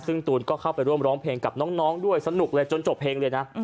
ซึ่งตูนก็เข้าไปร่วมร้องเพลงกับน้องด้วยสนุกเลยจนจบเพลงเลยนะ